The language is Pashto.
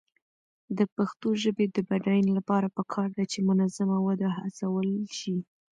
د پښتو ژبې د بډاینې لپاره پکار ده چې منظمه وده هڅول شي.